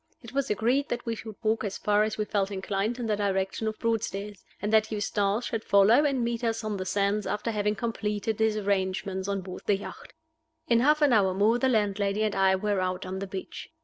It was agreed that we should walk as far as we felt inclined in the direction of Broadstairs, and that Eustace should follow and meet us on the sands, after having completed his arrangements on board the yacht. In half an hour more the landlady and I were out on the beach.